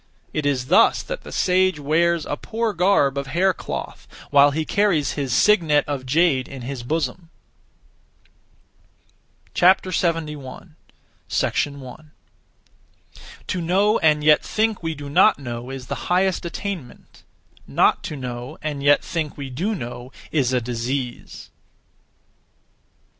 It is thus that the sage wears (a poor garb of) hair cloth, while he carries his (signet of) jade in his bosom. 71. 1. To know and yet (think) we do not know is the highest (attainment); not to know (and yet think) we do know is a disease.